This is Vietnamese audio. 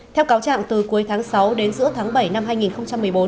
theo cáo trạng từ cuối tháng sáu đến giữa tháng bảy năm hai nghìn một mươi bốn